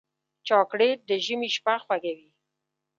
چاکلېټ د ژمي شپه خوږوي.